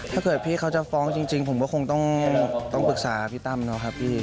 ถ้าเกิดพี่เขาจะฟ้องจริงผมก็คงต้องปรึกษาพี่ตั้มเนาะครับพี่